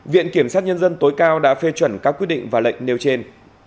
viện kiểm sát nhân dân tối cao đã phê chuẩn các quyết định và lệnh nêu trên